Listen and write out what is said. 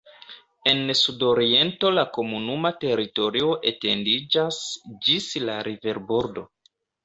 En sudoriento la komunuma teritorio etendiĝas ĝis la riverbordo.